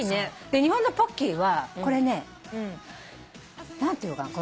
で日本のポッキーはこれね何て言うのかな。